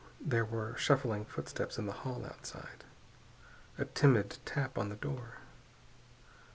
There were shuffling footsteps in the hall outside. A timid tap on the door.